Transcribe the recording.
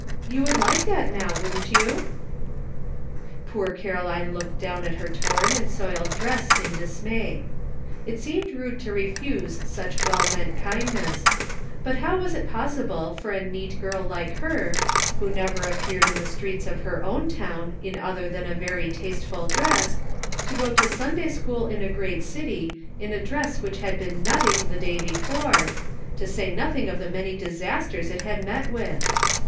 You would like that now, wouldn't you ?" Poor Caroline looked down at her torn and soiled dress in dismay. It seemed rude to re fuse such well meant kindness ; but how was it possible for a neat girl like her, who never ap peared in the streets of her own town in other than a very tasteful dress, to go to Sunday 108 NIGHT WORK. school in a great city in a dress which had been nutting the day before, to say nothing of the many disasters it had met with?